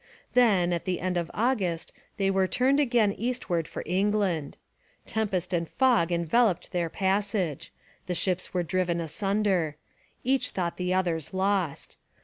Then, at the end of August, they were turned again eastward for England. Tempest and fog enveloped their passage. The ships were driven asunder. Each thought the others lost.